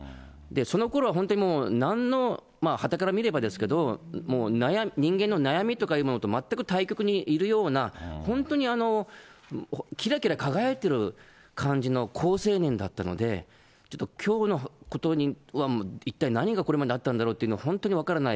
そのころは本当にもう、なんの、はたから見ればですけど、人間の悩みとかいうものと全く対極にいるような、本当にきらきら輝いてる感じの好青年だったので、ちょっときょうのことには一体何がこれまであったんだろうって本当に分からない。